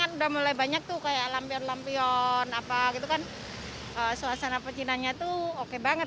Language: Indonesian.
kan udah mulai banyak tuh kayak lampion lampion apa gitu kan suasana pecinannya tuh oke banget